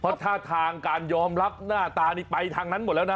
เพราะท่าทางการยอมรับหน้าตานี่ไปทางนั้นหมดแล้วนะ